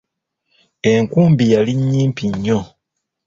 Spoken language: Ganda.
Enkumbi yali nnyimpi nnyo.